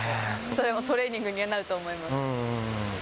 それもトレーニングになると思います。